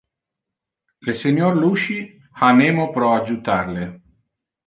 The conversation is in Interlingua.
Le senior Iuchi ha nemo pro adjutar le.